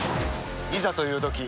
いざというとき